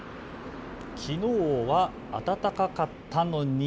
きのうは暖かかったのに。